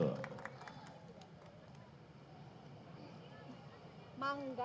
durian benar enggak